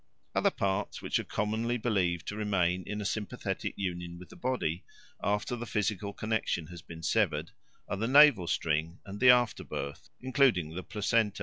Other parts which are commonly believed to remain in a sympathetic union with the body, after the physical connexion has been severed, are the navel string and the afterbirth, including the placenta.